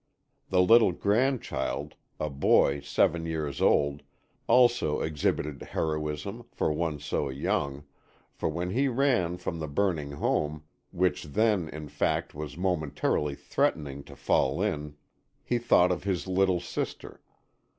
The little grandchild, a boy seven years old, also exhibited heroism, for one so young, for when he ran from the burning home, which then, in fact, was momentarily threatening to fall in, he thought of his little sister.